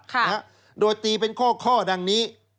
ค่ะโดยตีเป็นข้อดังนี้